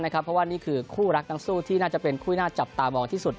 เพราะว่านี่คือคู่รักนักสู้ที่น่าจะเป็นคู่ที่น่าจับตามองที่สุด